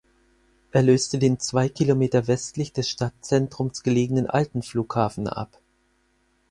Er löste den zwei km westlich des Stadtzentrums gelegenen alten Flughafen ab.